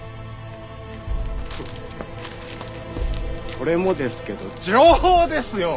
これもですけど情報ですよ！